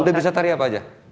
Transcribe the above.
udah bisa tari apa aja